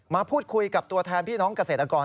มาพูดคุยกับตัวแทนพี่น้องเกษตรกร